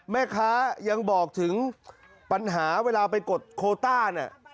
แม่ค้ายังบอกถึงปัญหาเวลาไปกดโคต้าเนี่ย